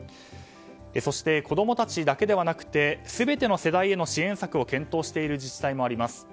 そして、子供たちだけではなくて全ての世代への支援策を検討している自治体もあります。